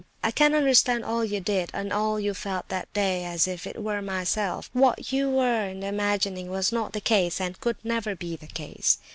I can understand all you did, and all you felt that day, as if it were myself. What you were then imagining was not the case, and could never be the case.